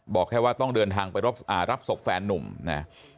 บอกแค่ว่าต้องเดินทางไปรับศพแฟนนุ่มนะ